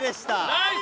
ナイス！